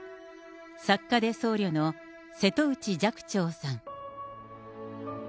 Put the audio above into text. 作家で僧侶の瀬戸内寂聴さん。